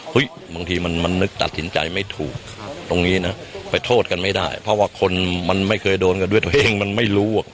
บางทีมันนึกตัดสินใจไม่ถูกตรงนี้นะไปโทษกันไม่ได้เพราะว่าคนมันไม่เคยโดนกันด้วยตัวเองมันไม่รู้อ่ะ